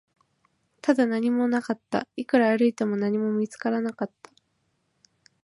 ただ、何もなかった、いくら歩いても、何も見つからなかった